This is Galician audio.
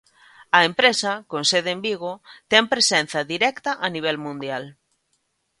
A empresa, con sede en Vigo, ten presenza directa a nivel mundial.